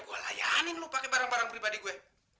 gue layanin lu pake barang barang pribadi gue